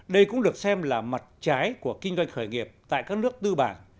đây cũng được xem là mặt trái của kinh doanh khởi nghiệp tại các nước tư bản